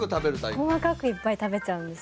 細かくいっぱい食べちゃうんです。